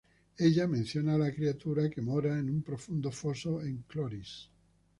Ella menciona a la Criatura que mora en un profundo foso en Chloris.